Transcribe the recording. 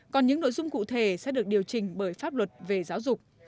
còn những nội dung cụ thể sẽ được điều chỉnh bởi pháp luật về giáo dục